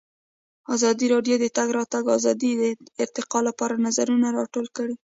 ازادي راډیو د د تګ راتګ ازادي د ارتقا لپاره نظرونه راټول کړي.